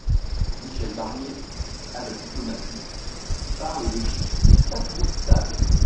Michel Barnier, avec diplomatie, parle de chiffres pas toujours stables.